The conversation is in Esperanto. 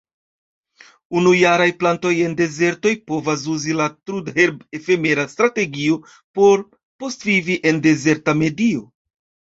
Unujaraj plantoj en dezertoj povas uzi la trudherb-efemera strategio por postvivi en dezerta medio.